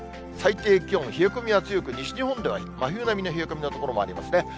最低気温、冷え込みは強く、西日本では真冬並みの冷え込みの所もありますね。